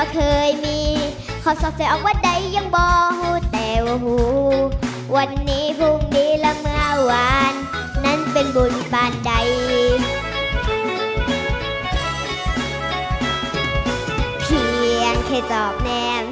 ก็อย่าปกตินะครับ